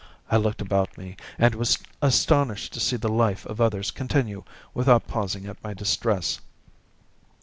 I looked about me, and was astonished to see the life of others continue without pausing at my distress.